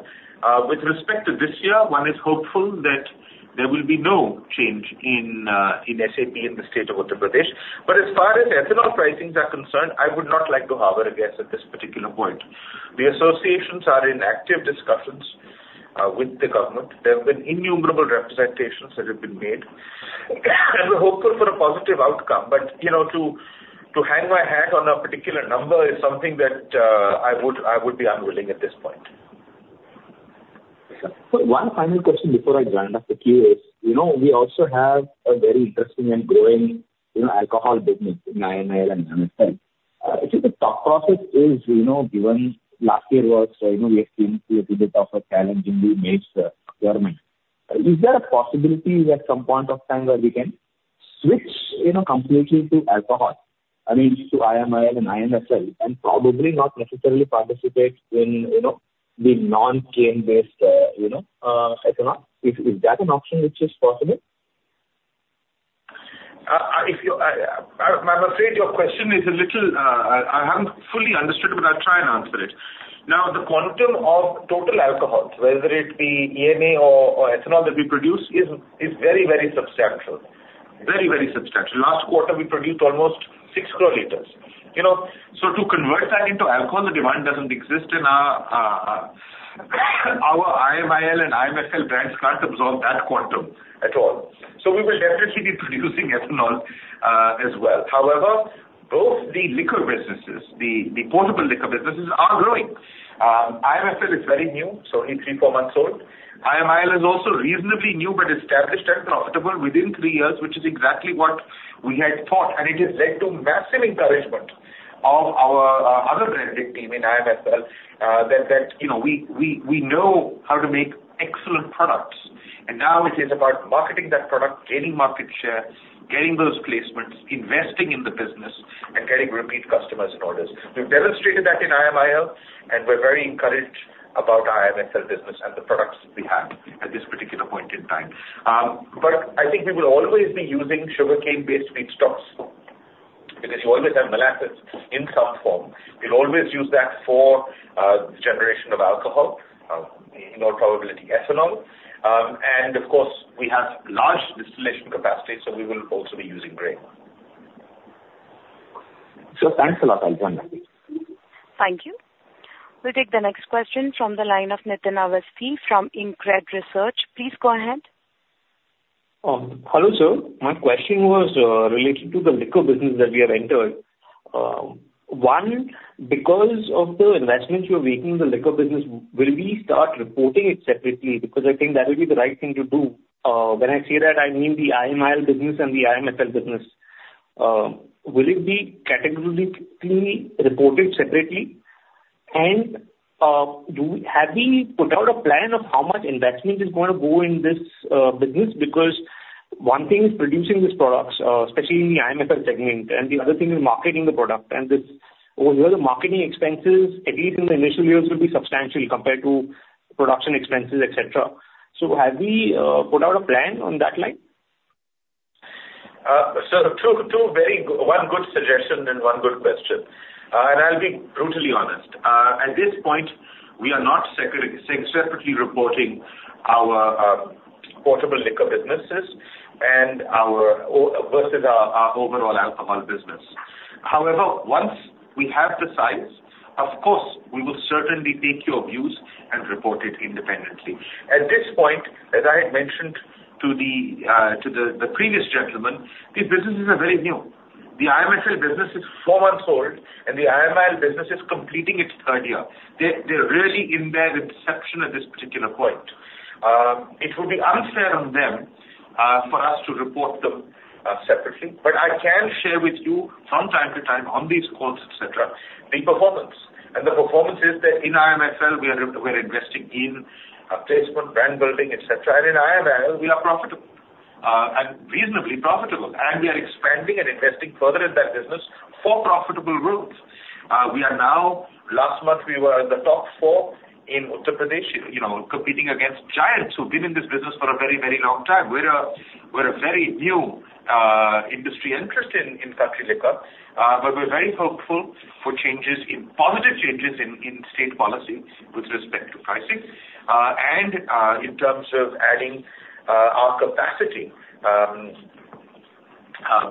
With respect to this year, one is hopeful that there will be no change in SAP in the state of Uttar Pradesh. But as far as ethanol pricings are concerned, I would not like to harbor a guess at this particular point. The associations are in active discussions with the government. There have been innumerable representations that have been made, and we're hopeful for a positive outcome. But to hang my hat on a particular number is something that I would be unwilling at this point. One final question before I join the queue is, we also have a very interesting and growing alcohol business in IMIL and IMFL. If the thought process is given last year was we have seen a little bit of a challenge in the maize procurement, is there a possibility that some point of time where we can switch completely to alcohol, I mean, to IMIL and IMFL, and probably not necessarily participate in the non-cane-based ethanol? Is that an option which is possible? I'm afraid your question is a little. I haven't fully understood, but I'll try and answer it. Now, the quantum of total alcohol, whether it be ENA or ethanol that we produce, is very, very substantial. Very, very substantial. Last quarter, we produced almost six crore liters. To convert that into alcohol, the demand doesn't exist, and our IML and IMFL brands can't absorb that quantum at all. We will definitely be producing ethanol as well. However, both the liquor businesses, the potable liquor businesses, are growing. IMFL is very new, so only three, four months old. IML is also reasonably new but established and profitable within three years, which is exactly what we had thought. It has led to massive encouragement of our other branded team in IMFL that we know how to make excellent products. Now it is about marketing that product, gaining market share, getting those placements, investing in the business, and getting repeat customers and orders. We've demonstrated that in IML, and we're very encouraged about IMFL business and the products we have at this particular point in time. But I think we will always be using sugarcane-based feed stocks because you always have molasses in some form. We'll always use that for the generation of alcohol, in all probability, ethanol. And of course, we have large distillation capacity, so we will also be using grain. Sir, thanks a lot. I'll join that. Thank you. We'll take the next question from the line of Nitin Awasthi from InCred Research. Please go ahead. Hello, sir. My question was related to the liquor business that we have entered. One, because of the investment you're making in the liquor business, will we start reporting it separately? Because I think that would be the right thing to do. When I say that, I mean the IML business and the IMFL business. Will it be categorically reported separately? Have we put out a plan of how much investment is going to go in this business? Because one thing is producing these products, especially in the IMFL segment, and the other thing is marketing the product. And the marketing expenses, at least in the initial years, will be substantial compared to production expenses, etc. So have we put out a plan on that line? Sir, that's one very good suggestion and one good question. I'll be brutally honest. At this point, we are not separately reporting our potable liquor businesses versus our overall alcohol business. However, once we have the size, of course, we will certainly take your views and report it independently. At this point, as I had mentioned to the previous gentlemen, these businesses are very new. The IMFL business is four months old, and the IMIL business is completing its third year. They're really in their inception at this particular point. It would be unfair on them for us to report them separately. But I can share with you from time to time on these calls, etc., the performance. And the performance is that in IMFL, we are investing in placement, brand building, etc. And in IMIL, we are profitable and reasonably profitable. And we are expanding and investing further in that business for profitable growth. We are now, last month, we were in the top four in Uttar Pradesh, competing against giants who've been in this business for a very, very long time. We're a very new industry interest in Khatauli, but we're very hopeful for changes, positive changes in state policy with respect to pricing and in terms of adding our capacity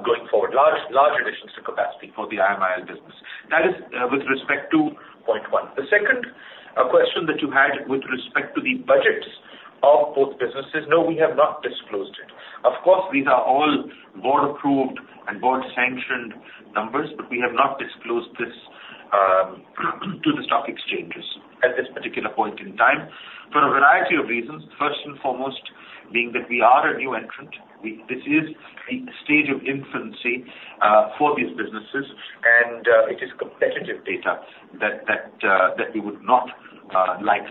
going forward, large additions to capacity for the IMIL business. That is with respect to point one. The second question that you had with respect to the budgets of both businesses, no, we have not disclosed it. Of course, these are all board-approved and board-sanctioned numbers, but we have not disclosed this to the stock exchanges at this particular point in time for a variety of reasons. First and foremost, being that we are a new entrant, this is the stage of infancy for these businesses, and it is competitive data that we would not like.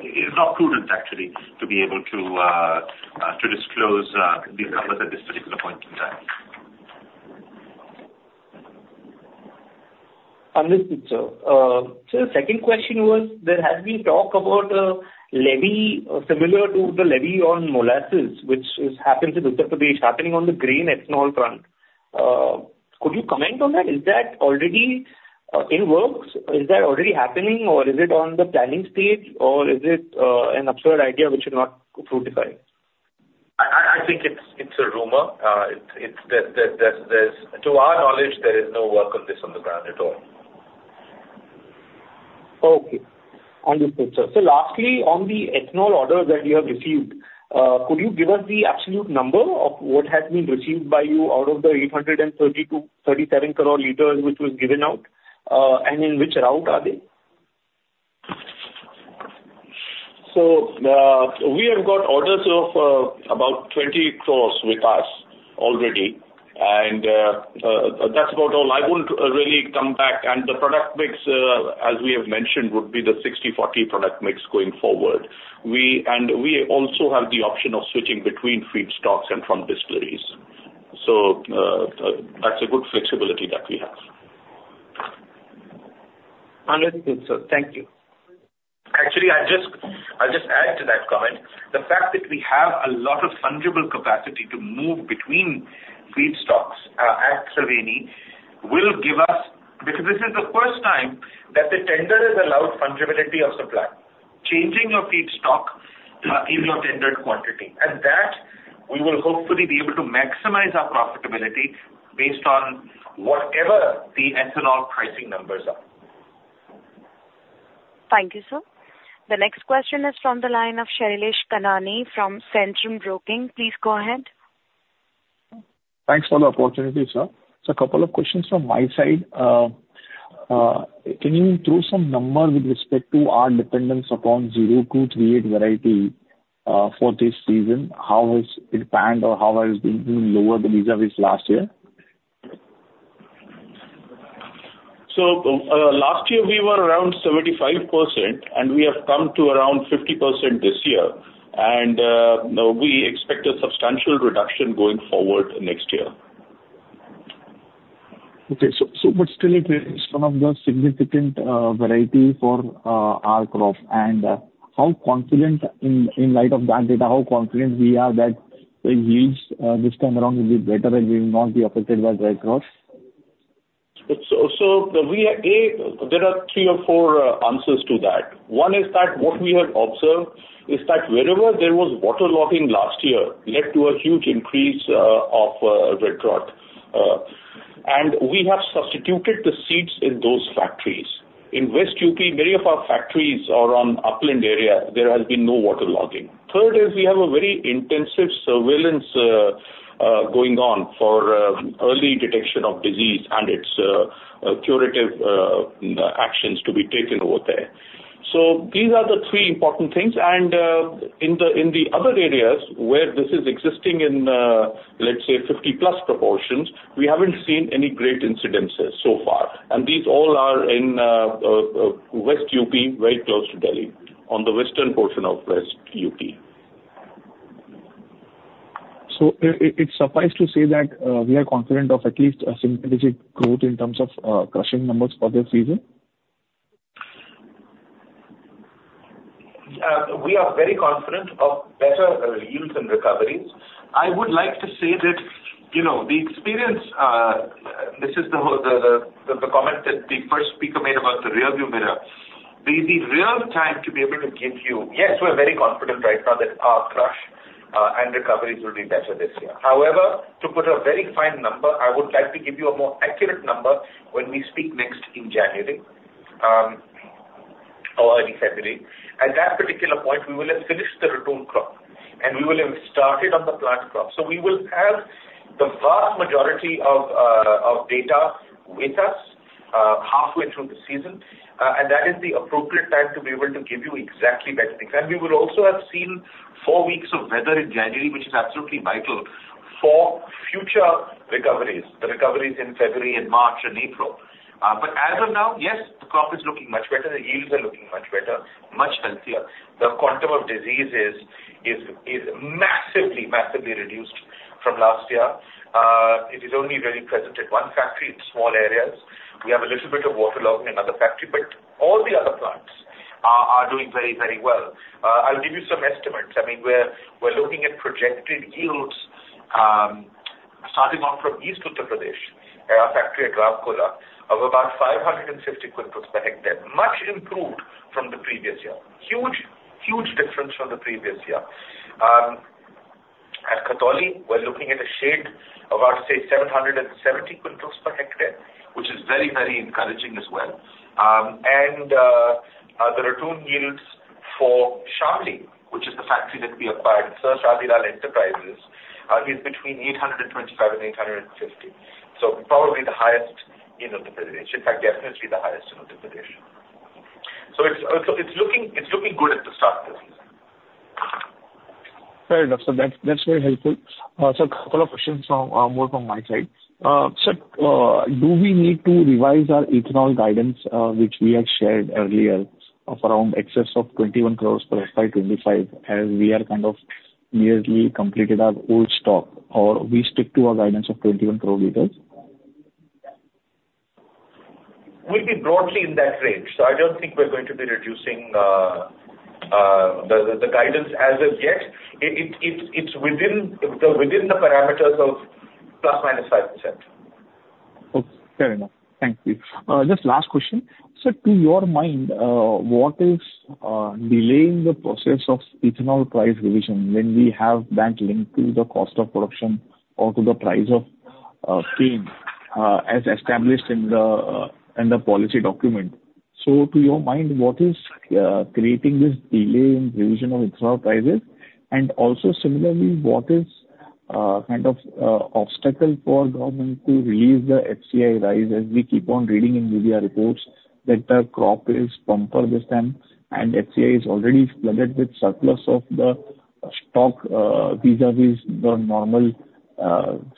It is not prudent, actually, to be able to disclose the numbers at this particular point in time. Understood, sir. Sir, the second question was, there has been talk about a levy similar to the levy on molasses, which happens in Uttar Pradesh, happening on the grain ethanol plant. Could you comment on that? Is that already in work? Is that already happening, or is it on the planning stage, or is it an absurd idea which is not fruitifying? I think it's a rumor. To our knowledge, there is no work on this on the ground at all. Okay. Understood, sir. So lastly, on the ethanol orders that you have received, could you give us the absolute number of what has been received by you out of the 837 crore liters which was given out, and in which route are they? So we have got orders of about 20 crores with us already, and that's about all. I won't really come back. And the product mix, as we have mentioned, would be the 60/40 product mix going forward. And we also have the option of switching between feed stocks and from distilleries. So that's a good flexibility that we have. Understood, sir. Thank you. Actually, I'll just add to that comment. The fact that we have a lot of fungible capacity to move between feed stocks at Triveni will give us, because this is the first time that the tender has allowed fungibility of supply, changing your feed stock in your tendered quantity. And that, we will hopefully be able to maximize our profitability based on whatever the ethanol pricing numbers are. Thank you, sir. The next question is from the line of Shailesh Kanani from Centrum Broking. Please go ahead. Thanks for the opportunity, sir. It's a couple of questions from my side. Can you throw some number with respect to our dependence upon 0238 variety for this season? How has it panned, or how has it been lowered vis-à-vis last year? So last year, we were around 75%, and we have come to around 50% this year. We expect a substantial reduction going forward next year. Okay. So we're still in place one of the significant varieties for our crop. And in light of that data, how confident we are that the yields this time around will be better and we will not be affected by dry crops? So there are three or four answers to that. One is that what we have observed is that wherever there was waterlogging last year led to a huge increase of red rot. And we have substituted the seeds in those factories. In West UP, many of our factories are on upland area. There has been no waterlogging. Third is we have a very intensive surveillance going on for early detection of disease and its curative actions to be taken over there. So these are the three important things. In the other areas where this is existing in, let's say, 50-plus proportions, we haven't seen any great incidences so far. These all are in West UP, very close to Delhi, on the western portion of West UP. It suffices to say that we are confident of at least a significant growth in terms of crushing numbers for the season? We are very confident of better yields and recoveries. I would like to say that the experience, this is the comment that the first speaker made about the rearview mirror, the real time to be able to give you, yes, we're very confident right now that our crush and recoveries will be better this year. However, to put a very fine number, I would like to give you a more accurate number when we speak next in January or early February. At that particular point, we will have finished the ratoon crop, and we will have started on the plant crop. So we will have the vast majority of data with us halfway through the season. And that is the appropriate time to be able to give you exactly better things. And we will also have seen four weeks of weather in January, which is absolutely vital for future recoveries, the recoveries in February and March and April. But as of now, yes, the crop is looking much better. The yields are looking much better, much healthier. The quantum of disease is massively, massively reduced from last year. It is only really present at one factory in small areas. We have a little bit of waterlogging in another factory, but all the other plants are doing very, very well. I'll give you some estimates. I mean, we're looking at projected yields starting off from East Uttar Pradesh, our factory at Ramkola, of about 550 quintals per hectare, much improved from the previous year. Huge, huge difference from the previous year. At Khatauli, we're looking at a shade of, I'd say, 770 quintals per hectare, which is very, very encouraging as well. And the projected yields for Shamli, which is the factory that we acquired, Sir Shadi Lal Enterprises, is between 825 and 850. So probably the highest in Uttar Pradesh. In fact, definitely the highest in Uttar Pradesh. So it's looking good at the start of the season. Fair enough. So that's very helpful. Sir, a couple of questions more from my side. Sir, do we need to revise our ethanol guidance, which we had shared earlier, of around in excess of 21 crores for FY25, as we have kind of nearly completed our old stock, or we stick to our guidance of 21 crore liters? We'll be broadly in that range. So I don't think we're going to be reducing the guidance as of yet. It's within the parameters of plus minus 5%. Okay. Fair enough. Thank you. Just last question. Sir, to your mind, what is delaying the process of ethanol price revision when we have that link to the cost of production or to the price of cane as established in the policy document? So to your mind, what is creating this delay in revision of ethanol prices? Also, similarly, what kind of obstacle for government to release the FCI rice as we keep on reading in media reports that the crop is bumper this time, and FCI is already flooded with surplus of the stock vis-à-vis the normal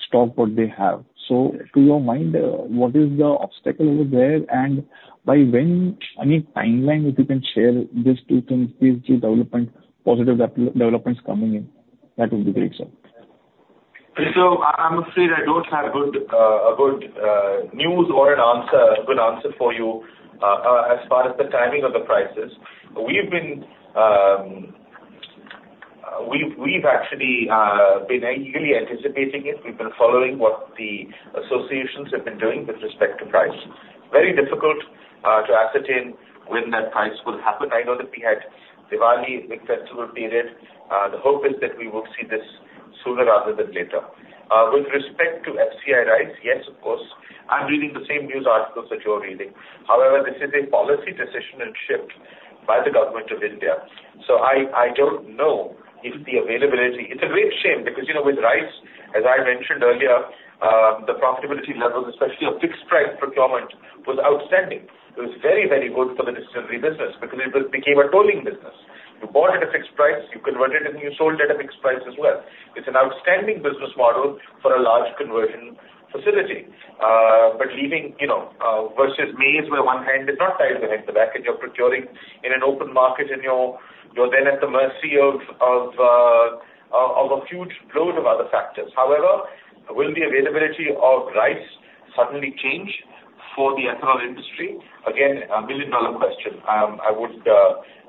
stock what they have? So to your mind, what is the obstacle over there, and by when? Any timeline that you can share these two things, these two positive developments coming in? That would be great, sir. I'm afraid I don't have good news or an answer for you as far as the timing of the prices. We've actually been eagerly anticipating it. We've been following what the associations have been doing with respect to price. Very difficult to ascertain when that price will happen. I know that we had Diwali intangible period. The hope is that we will see this sooner rather than later. With respect to FCI rice, yes, of course. I'm reading the same news articles that you're reading. However, this is a policy decision and shift by the government of India. So I don't know if the availability. It's a great shame because with rice, as I mentioned earlier, the profitability levels, especially of fixed price procurement, was outstanding. It was very, very good for the distillery business because it became a tolling business. You bought at a fixed price, you converted it, and you sold at a fixed price as well. It's an outstanding business model for a large conversion facility. But leaving versus maize where one hand is not tied behind the back, and you're procuring in an open market, and you're then at the mercy of a huge load of other factors. However, will the availability of rice suddenly change for the ethanol industry? Again, a million-dollar question.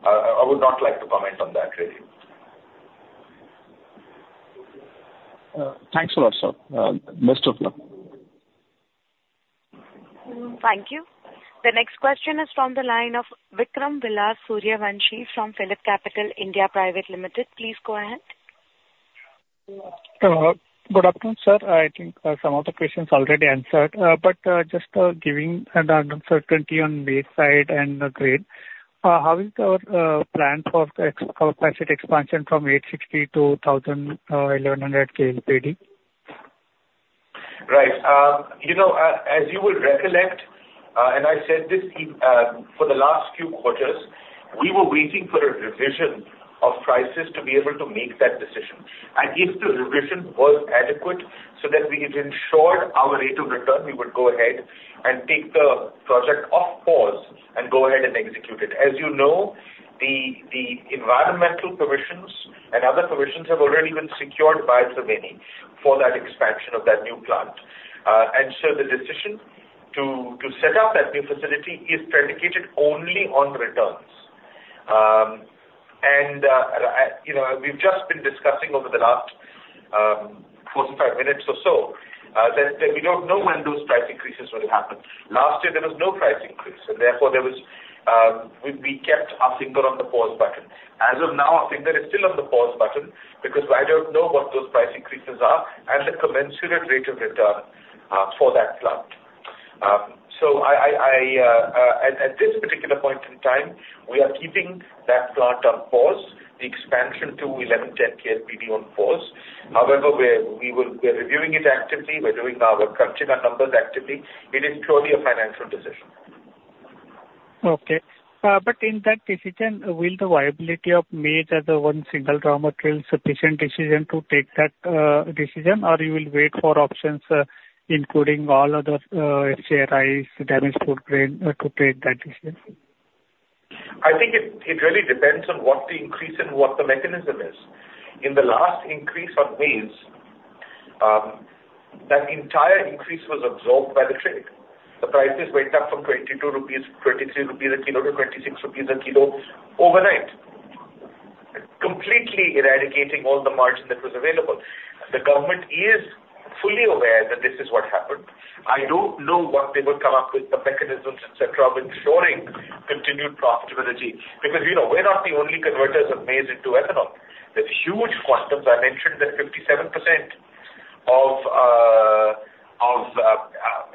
I would not like to comment on that, really. Thanks a lot, sir. Best of luck. Thank you. The next question is from the line of Vikram Suryavanshi from PhillipCapital India Private Limited. Please go ahead. Good afternoon, sir. I think some of the questions are already answered. But just giving an uncertainty on maize side and the grain, how is our plan for capacity expansion from 860 to 1,100 KLPD? Right. As you will recollect, and I said this for the last few quarters, we were waiting for a revision of prices to be able to make that decision. And if the revision was adequate so that we had ensured our rate of return, we would go ahead and take the project off pause and go ahead and execute it. As you know, the environmental permissions and other permissions have already been secured by Triveni for that expansion of that new plant. And so the decision to set up that new facility is predicated only on returns. And we've just been discussing over the last four to five minutes or so that we don't know when those price increases will happen. Last year, there was no price increase. And therefore, we kept our finger on the pause button. As of now, our finger is still on the pause button because I don't know what those price increases are and the commensurate rate of return for that plant. So at this particular point in time, we are keeping that plant on pause, the expansion to 1110 KLPD on pause. However, we're reviewing it actively. We're doing our contingent numbers actively. It is purely a financial decision. Okay. But in that decision, will the viability of maize as a one single raw material sufficient decision to take that decision, or you will wait for options, including all other FCI rice, damaged food grain, to take that decision? I think it really depends on what the increase and what the mechanism is. In the last increase on maize, that entire increase was absorbed by the trade. The prices went up from 22-23 rupees a kilo to 26 rupees a kilo overnight, completely eradicating all the margin that was available. The government is fully aware that this is what happened. I don't know what they will come up with, the mechanisms, etc., of ensuring continued profitability because we're not the only converters of maize into ethanol. There's huge quantities. I mentioned that 57% of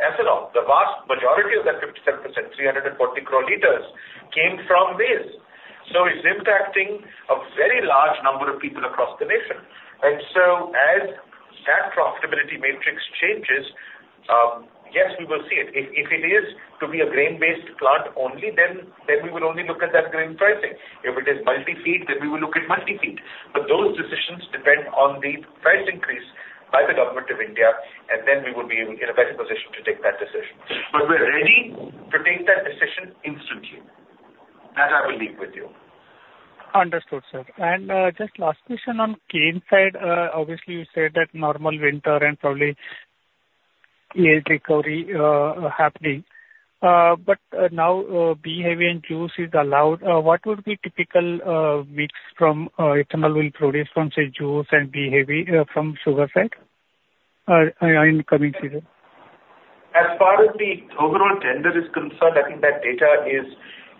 ethanol, the vast majority of that 57%, 340 crore liters, came from maize. It's impacting a very large number of people across the nation. As that profitability matrix changes, yes, we will see it. If it is to be a grain-based plant only, then we will only look at that grain pricing. If it is multi-feed, then we will look at multi-feed. Those decisions depend on the price increase by the government of India, and then we will be in a better position to take that decision. We're ready to take that decision instantly. That I will leave with you. Understood, sir. Just last question on cane side. Obviously, you said that normal winter and probably yield recovery happening. Now B-heavy and juice is allowed. What would be typical mix from ethanol will produce from, say, juice and B-heavy from sugar side in coming season? As far as the overall tender is concerned, I think that data is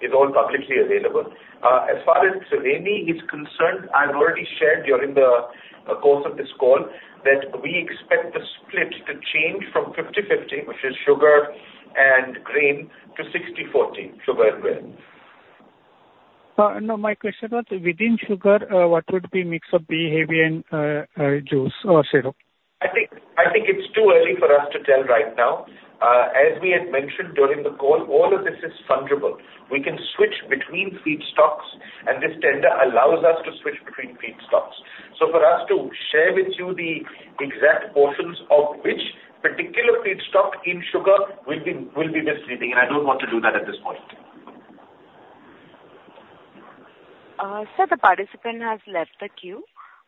all publicly available. As far as Triveni is concerned, I've already shared during the course of this call that we expect the split to change from 50-50, which is sugar and grain, to 60-40, sugar and grain. My question was, within sugar, what would be mix of B-heavy and juice or syrup? I think it's too early for us to tell right now. As we had mentioned during the call, all of this is fungible. We can switch between feedstocks, and this tender allows us to switch between feedstocks. So for us to share with you the exact portions of which particular feedstock in sugar will be misleading, and I don't want to do that at this point. Sir, the participant has left the queue.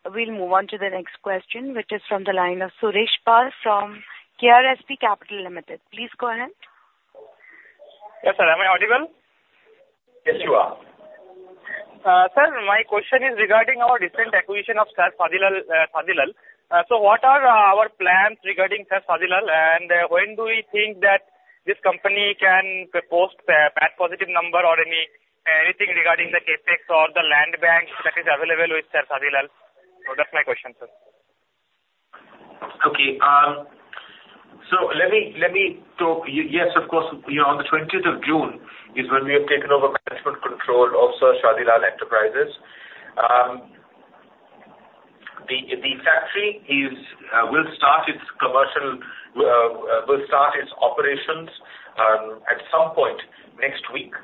We'll move on to the next question, which is from the line of Suresh Pal from KRSP Capital Limited. Please go ahead. Yes, sir. Am I audible? Yes, you are. Sir, my question is regarding our recent acquisition of Sir Shadi Lal. So what are our plans regarding Sir Shadi Lal, and when do we think that this company can post a positive number or anything regarding the CapEx or the land banks that is available with Sir Shadi Lal? So that's my question, sir. Okay. So let me talk. Yes, of course. On the 20th of June is when we have taken over management control of Sir Shadi Lal Enterprises. The factory will start its operations at some point next week,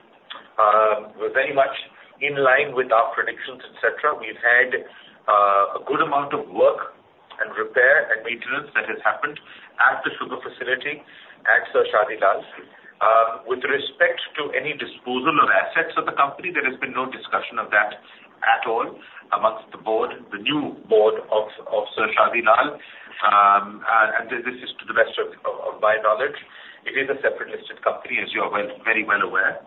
very much in line with our predictions, etc. We've had a good amount of work and repair and maintenance that has happened at the sugar facility at Sir Shadi Lal. With respect to any disposal of assets of the company, there has been no discussion of that at all amongst the new board of Sir Shadi Lal, and this is to the best of my knowledge. It is a separate listed company, as you are very well aware,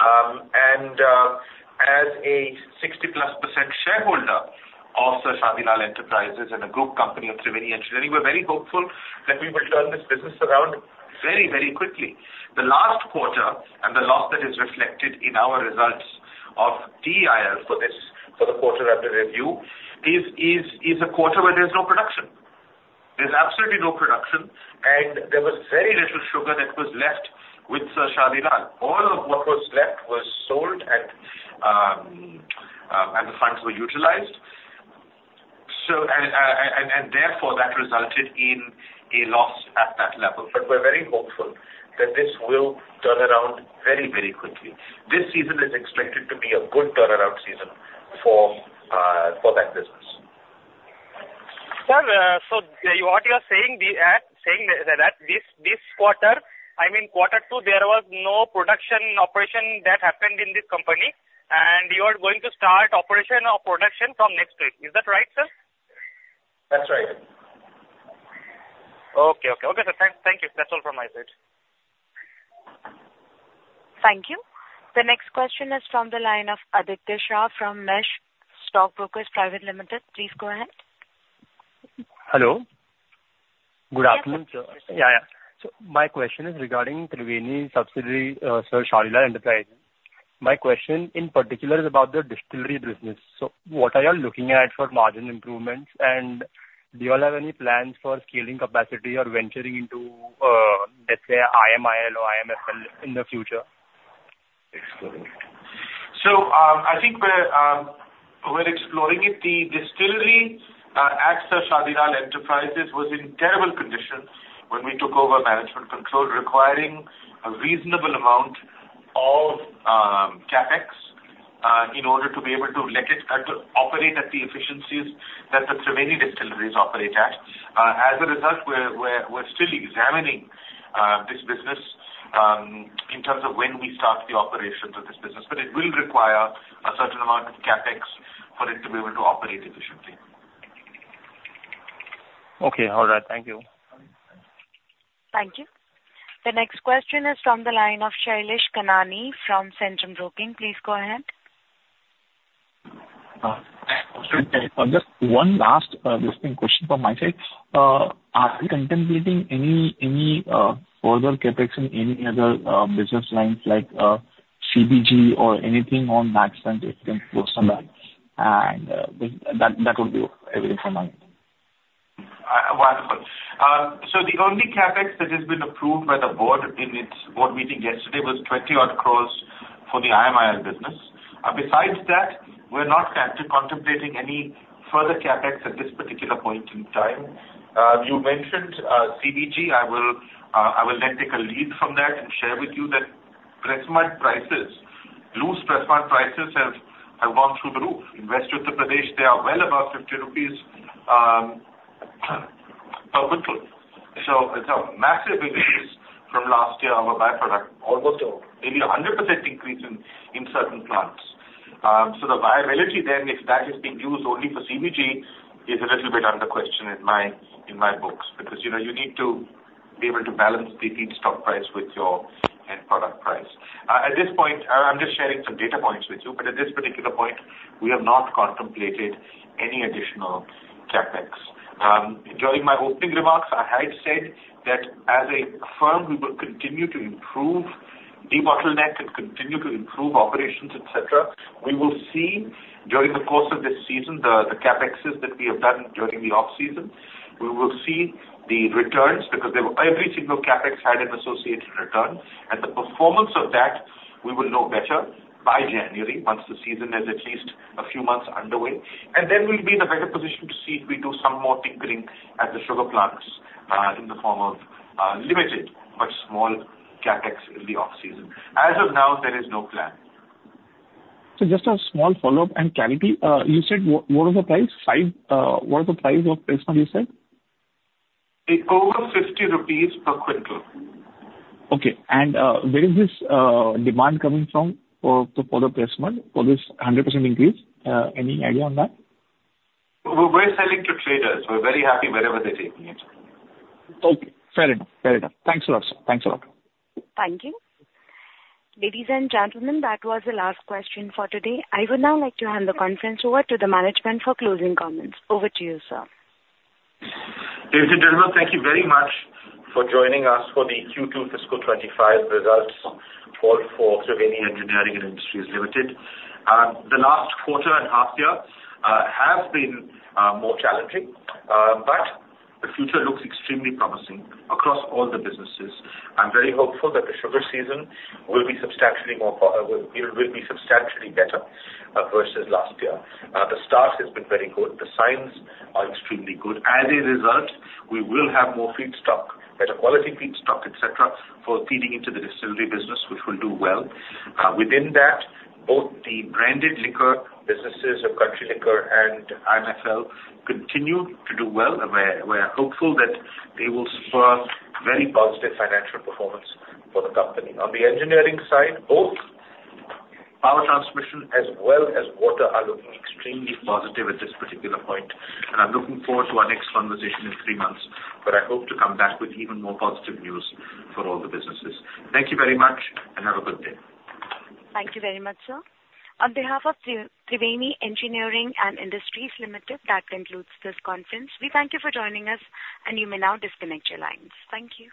and as a 60-plus percent shareholder of Sir Shadi Lal Enterprises and a group company of Triveni Engineering, we're very hopeful that we will turn this business around very, very quickly. The last quarter and the loss that is reflected in our results of SSL for the quarter of the review is a quarter where there's no production. There's absolutely no production, and there was very little sugar that was left with Sir Shadi Lal. All of what was left was sold, and the funds were utilized, and therefore, that resulted in a loss at that level. But we're very hopeful that this will turn around very, very quickly. This season is expected to be a good turnaround season for that business. Sir, so what you are saying that this quarter, I mean, quarter two, there was no production operation that happened in this company, and you are going to start operation of production from next week. Is that right, sir? That's right. Okay. Okay. Okay, sir. Thank you. That's all from my side. Thank you. The next question is from the line of Aditya Shah from Mesh Stock Brokers Private Limited. Please go ahead. Hello. Good afternoon, sir. Yeah, yeah. So my question is regarding Triveni subsidiary Sir Shadi Lal Enterprises. My question in particular is about the distillery business. So what are you looking at for margin improvements, and do you all have any plans for scaling capacity or venturing into, let's say, IMIL or IMFL in the future? Excellent. So I think we're exploring it. The distillery at Sir Shadi Lal Enterprises was in terrible condition when we took over management control, requiring a reasonable amount of CapEx in order to be able to let it operate at the efficiencies that the Triveni distilleries operate at. As a result, we're still examining this business in terms of when we start the operation of this business. But it will require a certain amount of CapEx for it to be able to operate efficiently. Okay. All right. Thank you. Thank you. The next question is from the line of Shailesh Kanani from Centrum Broking. Please go ahead. Just one last lingering question from my side. Are you contemplating any further CapEx in any other business lines like CBG or anything on that front, if you can uncertain? And that would be everything from my end. Wonderful. So the only CapEx that has been approved by the board in its board meeting yesterday was 20-odd crore for the IMIL business. Besides that, we're not contemplating any further CapEx at this particular point in time. You mentioned CBG. I will then take a lead from that and share with you that loose pressmud prices have gone through the roof. In West Uttar Pradesh, they are well above INR 50 per quintal. So it's a massive increase from last year of a byproduct, almost maybe 100% increase in certain plants. So the viability then, if that is being used only for CBG, is a little bit under question in my books because you need to be able to balance the feedstock price with your end product price. At this point, I'm just sharing some data points with you. But at this particular point, we have not contemplated any additional CapEx. During my opening remarks, I had said that as a firm, we will continue to improve the quintal neck and continue to improve operations, etc. We will see during the course of this season the CapExes that we have done during the off-season. We will see the returns because every single CapEx had an associated return. And the performance of that, we will know better by January once the season is at least a few months underway. And then we'll be in a better position to see if we do some more tinkering at the sugar plants in the form of limited but small CapEx in the off-season. As of now, there is no plan. So just a small follow-up and clarity. You said what was the price? What was the price of pressmud, you said? Over 50 rupees per quintal. Okay. And where is this demand coming from for the pressmud for this 100% increase? Any idea on that? We're selling to traders. We're very happy wherever they're taking it. Okay. Fair enough. Fair enough. Thanks a lot, sir. Thanks a lot. Thank you. Ladies and gentlemen, that was the last question for today. I would now like to hand the conference over to the management for closing comments. Over to you, sir. David, thank you very much for joining us for the Q2 Fiscal 25 results call for Triveni Engineering & Industries Limited. The last quarter and half year have been more challenging, but the future looks extremely promising across all the businesses. I'm very hopeful that the sugar season will be substantially better versus last year. The start has been very good. The signs are extremely good. As a result, we will have more feedstock, better quality feedstock, etc., for feeding into the distillery business, which will do well. Within that, both the branded liquor businesses, Country Liquor and IMFL, continue to do well. We are hopeful that they will spur very positive financial performance for the company. On the engineering side, both power transmission as well as water are looking extremely positive at this particular point. And I'm looking forward to our next conversation in three months, but I hope to come back with even more positive news for all the businesses. Thank you very much and have a good day. Thank you very much, sir. On behalf of Triveni Engineering & Industries Limited, that concludes this conference. We thank you for joining us, and you may now disconnect your lines. Thank you.